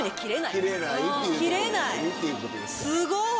すごい！